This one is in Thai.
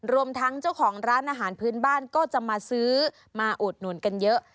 รวมทั้งเจ้าของร้านอาหารพื้นบ้านก็จะมาซื้อมาอุดหนุนกันเยอะ